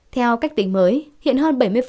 theo cách tính mới hiện hơn